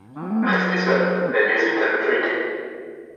Restée seule, elle hésite à le feuilleter.